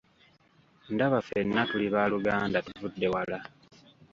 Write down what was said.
Ndaba ffena tuli baaluganda, tuvudde wala!